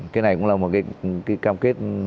cái này cũng là một cái cam kết